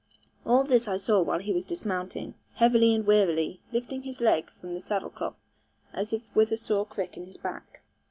All this I saw while he was dismounting, heavily and wearily, lifting his leg from the saddle cloth as if with a sore crick in his back.